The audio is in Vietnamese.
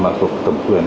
mà thuộc tổng quyền